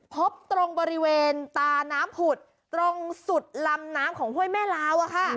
พบตรงบริเวณตาน้ำผุดตรงสุดลำน้ำของห้วยแม่ลาวอะค่ะ